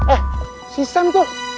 eh si sam tuh